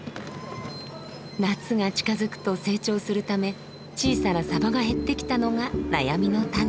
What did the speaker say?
夏が近づくと成長するため小さなサバが減ってきたのが悩みの種。